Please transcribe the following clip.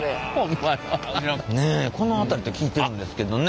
ねえこの辺りと聞いてるんですけどね。